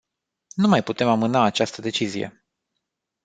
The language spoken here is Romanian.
Nu mai putem amâna această decizie.